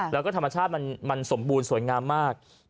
แล้วก็ธรรมชาติมันสมบูรณสวยงามมาก